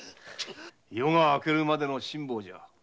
夜が明けるまでの辛抱だ。